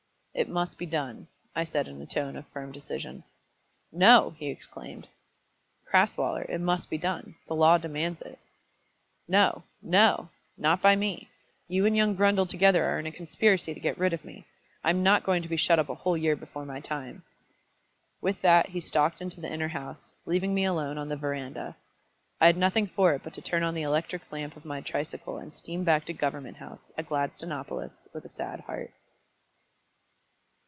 "It must be done," I said in a tone of firm decision. "No!" he exclaimed. "Crasweller, it must be done. The law demands it." "No, no; not by me. You and young Grundle together are in a conspiracy to get rid of me. I am not going to be shut up a whole year before my time." With that he stalked into the inner house, leaving me alone on the verandah. I had nothing for it but to turn on the electric lamp of my tricycle and steam back to Government House at Gladstonopolis with a sad heart.